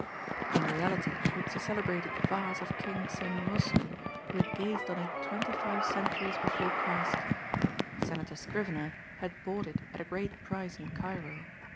In reality it was the celebrated vase of King Senwosri who had gazed on it twenty five centuries before Christ. Senator Scrivener had bought it at a great price in Cairo.